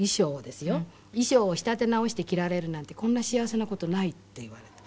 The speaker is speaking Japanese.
「衣装を仕立て直して着られるなんてこんな幸せな事ない」って言われた。